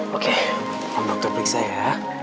oke om dokter periksa ya